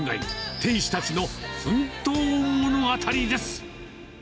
店主たちの奮闘物語です。